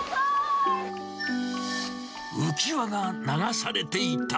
浮き輪が流されていた。